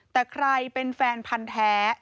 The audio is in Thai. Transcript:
แต่ใครเป็นแฟนพันธ์แท้